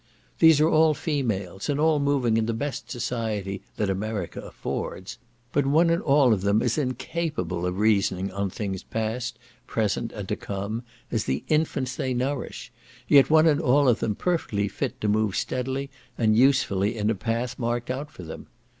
These are all females, and all moving in the best society that America affords; but one and all of them as incapable of reasoning on things past, present, and to come, as the infants they nourish, yet one and all of them perfectly fit to move steadily and usefully in a path marked out for them.